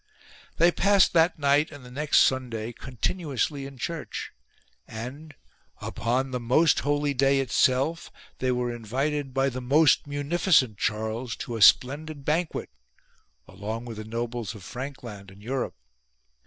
They passed that night and the next Sunday continuously in church ; and, upon the most holy day itself, they were invited by the most munificent Charles to a splendid banquet, along with the nobles of Frankland and Europe.